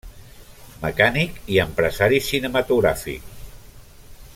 Mecànic i empresari cinematogràfic.